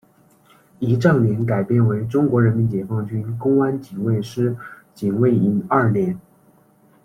仪仗连改编为中国人民解放军公安警卫师警卫营二连。